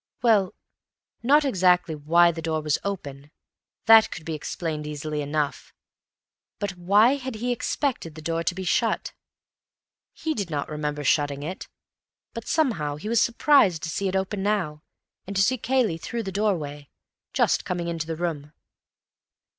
Well, not exactly why the door was open; that could be explained easily enough. But why had he expected the door to be shut? He did not remember shutting it, but somehow he was surprised to see it open now, to see Cayley through the doorway, just coming into the room.